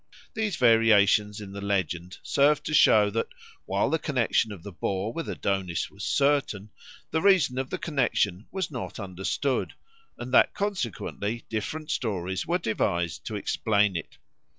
These variations in the legend serve to show that, while the connexion of the boar with Adonis was certain, the reason of the connexion was not understood, and that consequently different stories were devised to explain it.